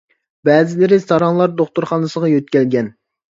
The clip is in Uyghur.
بەزىلىرى ساراڭلار دوختۇرخانىسىغا يۆتكەلگەن .